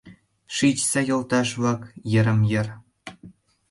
Шичса, йолташ-влак, йырым-йыр.